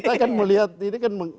saya melihat ini kan